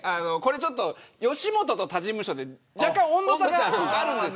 吉本と他事務所で若干、温度差があるんです。